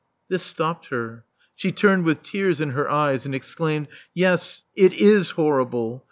'* This stopped her. She turned with tears in her eyes, and exclaimed, "Yes, it is horrible.